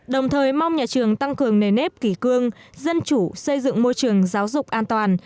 đồng thời mong nhà trường tăng cường nề nếp kỷ cương dân chủ xây dựng môi trường giáo dục an toàn